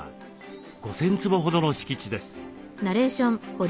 ５，０００坪ほどの敷地です。